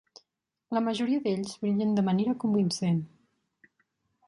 La majoria d"ells brillen de manera convincent.